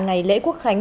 ngày lễ quốc khánh